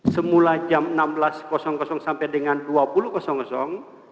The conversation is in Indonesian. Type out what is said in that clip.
semula jam enam belas sampai dengan dua puluh